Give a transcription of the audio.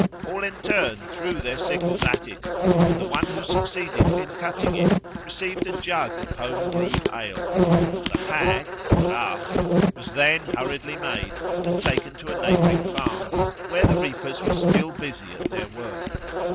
All in turn threw their sickles at it, and the one who succeeded in cutting it received a jug of home brewed ale. The Hag (wrach) was then hurriedly made and taken to a neighbouring farm, where the reapers were still busy at their work.